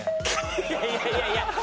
いやいやいやいや！